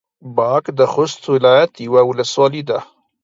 باک د خوست ولايت يوه ولسوالي ده.